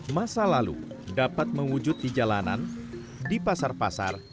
masa lalu dapat mewujud di jalanan di pasar pasar